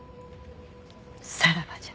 さらばじゃ。